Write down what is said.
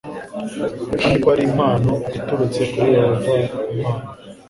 kandi ko ari impano iturutse kuri Yehova Imana,